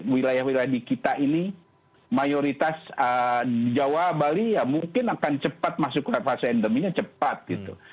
wilayah wilayah di kita ini mayoritas jawa bali ya mungkin akan cepat masuk ke fase endeminya cepat gitu